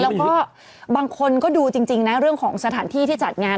แล้วก็บางคนก็ดูจริงนะเรื่องของสถานที่ที่จัดงาน